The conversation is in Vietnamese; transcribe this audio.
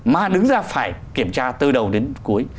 mà đứng ra phải kiểm tra từ đầu đến cuối